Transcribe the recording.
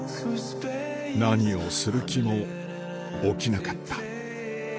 何をする気も起きなかった。